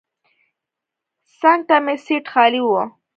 څنګ ته مې سیټ خالي و.